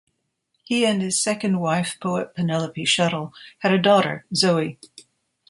He and his second wife, poet Penelope Shuttle, had a daughter, Zoe.